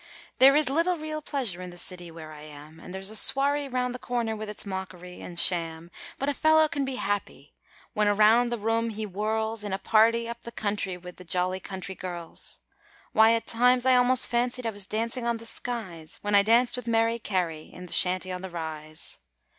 There is little real pleasure in the city where I am There's a swarry round the corner with its mockery and sham; But a fellow can be happy when around the room he whirls In a party up the country with the jolly country girls. Why, at times I almost fancied I was dancing on the skies, When I danced with Mary Carey in the Shanty on the Rise.